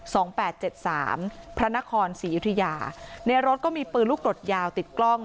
แปดเจ็ดสามพระนครศรียุธยาในรถก็มีปืนลูกกรดยาวติดกล้อง